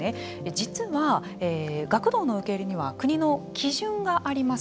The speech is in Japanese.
実は学童の受け入れには国の基準があります。